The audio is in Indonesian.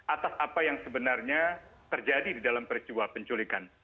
atas apa yang sebenarnya terjadi di dalam peristiwa penculikan